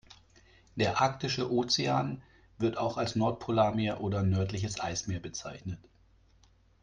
Der Arktische Ozean, wird auch als Nordpolarmeer oder nördliches Eismeer bezeichnet.